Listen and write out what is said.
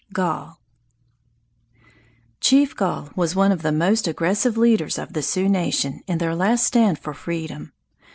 GALL Chief Gall was one of the most aggressive leaders of the Sioux nation in their last stand for freedom.